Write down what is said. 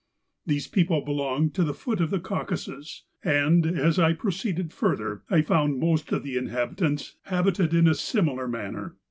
These people belong to the foot of the Caucasus; and, as I proceeded further, I found most of the inhabitants habited in a similar manner.